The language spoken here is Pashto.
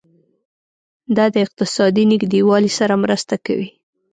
دا د اقتصادي نږدیوالي سره مرسته کوي.